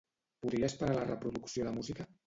Podries parar la reproducció de música?